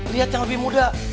lihat yang lebih muda